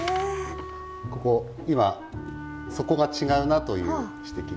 ここ今底が違うなという指摘が。